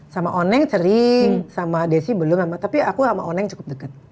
sama oneng sering sama desi belum sama tapi aku sama oneng cukup dekat